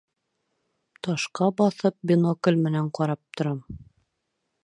Ташҡа баҫып бинокль менән ҡарап торам.